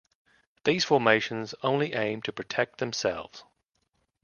These formations only aim to protect themselves.